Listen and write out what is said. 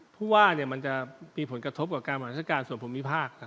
พูดว่ามันจะมีผลกระทบกับการประหลาดการส่วนผลมิพาค